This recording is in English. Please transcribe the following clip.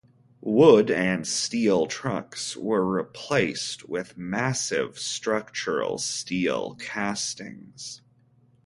Wood and steel trucks were replaced with massive structural steel castings.